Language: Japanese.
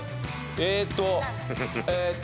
えーっとえーっと。